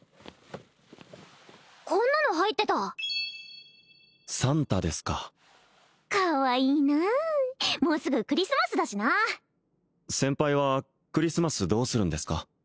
こんなの入ってたサンタですかかわいいなあもうすぐクリスマスだしな先輩はクリスマスどうするんですか？